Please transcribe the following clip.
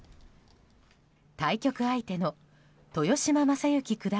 対局相手の豊島将之九段